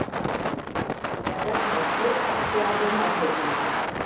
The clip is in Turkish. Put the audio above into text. Yâra karşı ak gerdanı açacam.